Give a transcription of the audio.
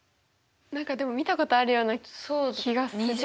何かでも見たことあるような気がする。